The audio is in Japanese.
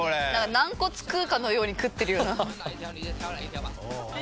軟骨食うかのように食ってるような。